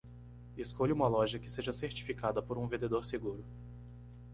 Escolha uma loja que seja certificada por um vendedor seguro